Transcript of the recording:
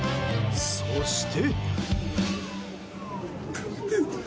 そして。